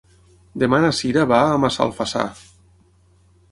Demà na Cira va a Massalfassar.